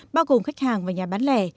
bao gồm khách hàng và nhà bán lẻ